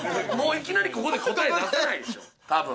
いきなりここで答え出さないでしょ。